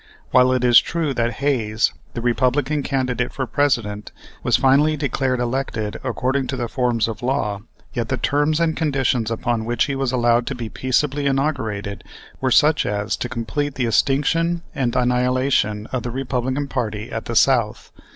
While it is true that Hayes, the Republican candidate for President, was finally declared elected according to the forms of law, yet the terms and conditions upon which he was allowed to be peaceably inaugurated were such as to complete the extinction and annihilation of the Republican party at the South.